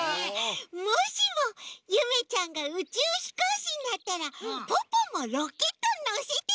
もしもゆめちゃんがうちゅうひこうしになったらポッポもロケットのせてほしい！